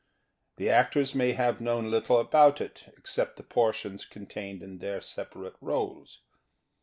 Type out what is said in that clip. The actors may have known little about it except the portions contained in their separate roles.